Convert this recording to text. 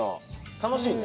楽しいね。